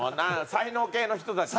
才能系の人たち。